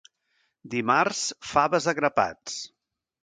Dimarts, faves a grapats.